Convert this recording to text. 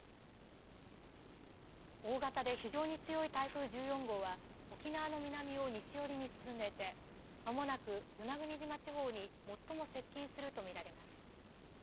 大型で非常に強い台風１４号は沖縄の南を西寄りに進んでいてまもなく与那国島地方に最も接近するものと見られます。